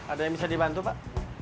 ada yang bisa dibantu pak